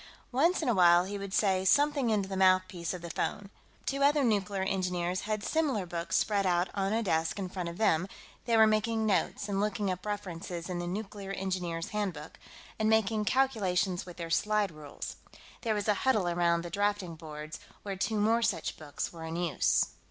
Once in a while, he would say something into the mouthpiece of the phone. Two other nuclear engineers had similar books spread out on a desk in front of them; they were making notes and looking up references in the Nuclear Engineers' Handbook, and making calculations with their sliderules. There was a huddle around the drafting boards, where two more such books were in use.